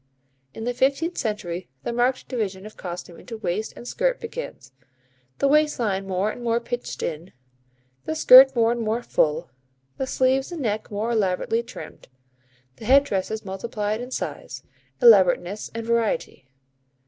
In the fifteenth century, the marked division of costume into waist and skirt begins, the waist line more and more pinched in, the skirt more and more full, the sleeves and neck more elaborately trimmed, the head dresses multiplied in size, elaborateness and variety.